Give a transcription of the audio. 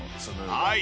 はい。